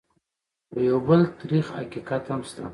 خو یو بل تريخ حقیقت هم شته: